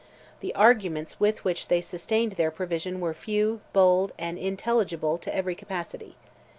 The arguments with which they sustained their position were few, bold, and intelligible to every capacity.